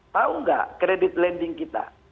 tahu nggak kredit lending kita